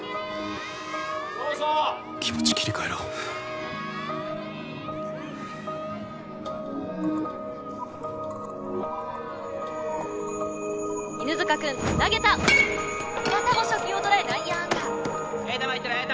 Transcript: そうそう気持ち切り替えろ犬塚くん投げたまたも初球を捉え内野安打ええ球いってるええ